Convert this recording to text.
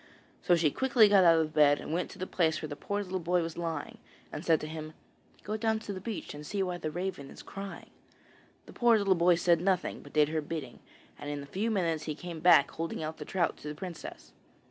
So she quickly got out of bed and went to the place where the poor little boy was lying, and said to him: 'Go down to the beach, and see why the raven is crying.' The poor little boy said nothing, but did her bidding, and in a few minutes he came back holding out the trout to the princess.